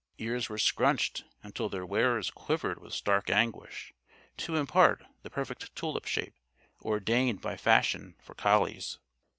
Ears were "scrunched" until their wearers quivered with stark anguish to impart the perfect tulip shape; ordained by fashion for collies.